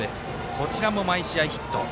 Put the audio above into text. こちらも毎試合ヒット。